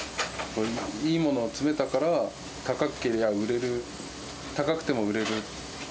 いいものを詰めたから、高くても売れる。